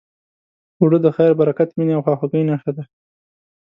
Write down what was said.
اوړه د خیر، برکت، مینې، خواخوږۍ نښه ده